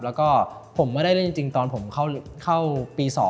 แล้วก็ผมไม่ได้เล่นจริงตอนผมเข้าปี๒